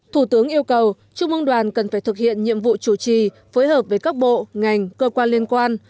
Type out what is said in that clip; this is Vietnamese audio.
thủ tướng yêu cầu trung mong đoàn cần phải thực hiện nhiệm vụ chủ trì phối hợp với các bộ ngành cơ quan liên quan